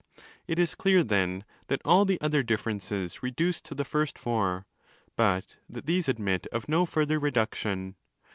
᾿ 25 It is clear, then, that all the other differences reduce to the first four, but that these admit of no further reduction.